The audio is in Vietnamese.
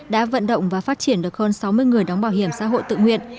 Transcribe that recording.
đã vận động và phát triển được hơn sáu mươi người đóng bảo hiểm xã hội tự nguyện